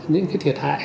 những cái thiệt hại